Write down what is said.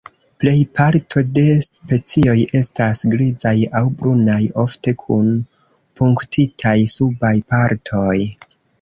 Plej parto de specioj estas grizaj aŭ brunaj, ofte kun punktitaj subaj partoj.